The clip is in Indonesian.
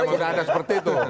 emang tidak ada seperti itu